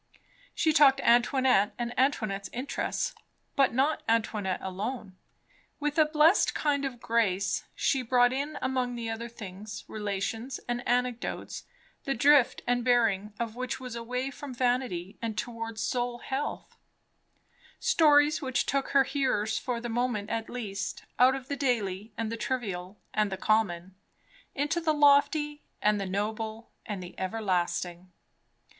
She talked Antoinette and Antoinette's interests, but not Antoinette alone; with a blessed kind of grace she brought in among the other things relations and anecdotes the drift and bearing of which was away from vanity and toward soul health; stories which took her hearers for the moment at least out of the daily and the trivial and the common, into the lofty and the noble and the everlasting.